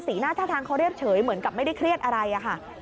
หน้าท่าทางเขาเรียบเฉยเหมือนกับไม่ได้เครียดอะไรอะค่ะ